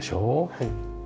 はい。